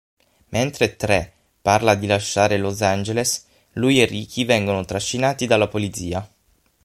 Mentre Tré parla di lasciare Los Angeles, lui e Ricky vengono trascinati dalla polizia.